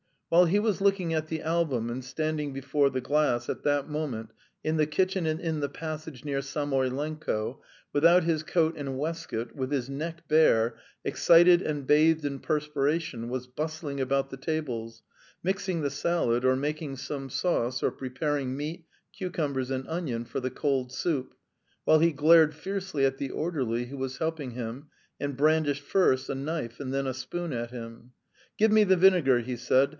While he was looking at the album and standing before the glass, at that moment, in the kitchen and in the passage near, Samoylenko, without his coat and waistcoat, with his neck bare, excited and bathed in perspiration, was bustling about the tables, mixing the salad, or making some sauce, or preparing meat, cucumbers, and onion for the cold soup, while he glared fiercely at the orderly who was helping him, and brandished first a knife and then a spoon at him. "Give me the vinegar!" he said.